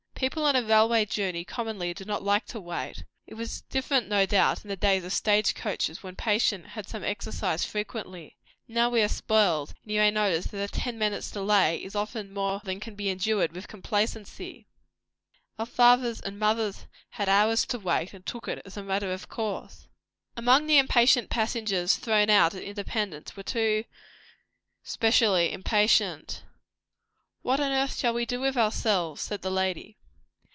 People on a railway journey commonly do not like to wait; it was different no doubt in the days of stage coaches, when patience had some exercise frequently; now, we are spoiled, and you may notice that ten minutes' delay is often more than can be endured with complacency. Our fathers and mothers had hours to wait, and took it as a matter of course. Among the impatient passengers thrown out at Independence were two specially impatient. "What on earth shall we do with ourselves?" said the lady.